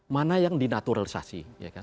mana yang di naturalisasi